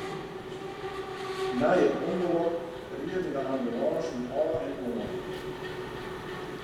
Nei it ûngelok rieden de ambulânsen ôf en oan.